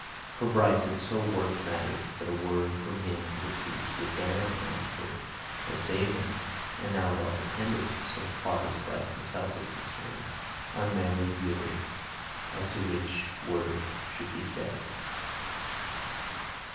For Bryce had so worked matters that a word from him to the police would damn Ransford or save him and now it all depended, so far as Bryce himself was concerned, on Mary Bewery as to which word should be said.